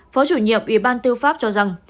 phó chủ nhiệm ủy ban tư pháp cho rằng